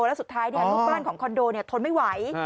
แล้วสุดท้ายเนี่ยลูกบ้านของคอนโดเนี่ยทนไม่ไหว